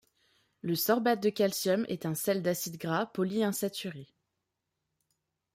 Le sorbate de calcium est un sel d'acide gras polyinsaturé.